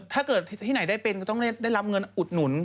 ถ้าเกิดที่ไหนได้เป็นก็ต้องได้รับเงินอุดหนุน